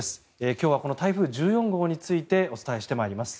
今日はこの台風１４号についてお伝えしてまいります。